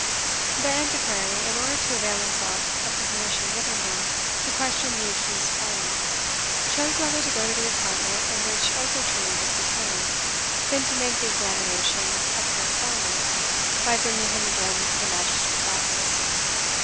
The Antiquary, in order to avail himself of the permission given him to question the accused party, chose rather to go to the apartment in which Ochiltree was detained, than to make the examination appear formal by bringing him again into the magistrate's office.